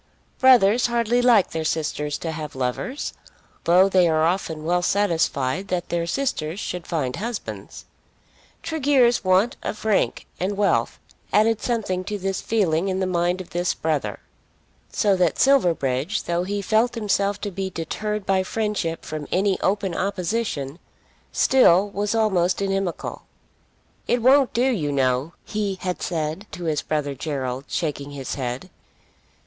Brothers hardly like their sisters to have lovers, though they are often well satisfied that their sisters should find husbands. Tregear's want of rank and wealth added something to this feeling in the mind of this brother; so that Silverbridge, though he felt himself to be deterred by friendship from any open opposition, still was almost inimical. "It won't do, you know," he had said to his brother Gerald, shaking his head.